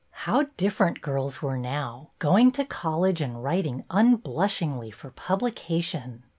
How different girls were now, going to college and writing un blushingly for publication!